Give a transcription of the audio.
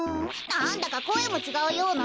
なんだかこえもちがうような。